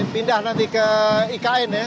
pindah nanti ke ikn ya